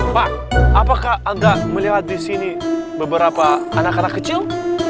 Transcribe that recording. pak apakah anda melihat di sini beberapa anak anak kecil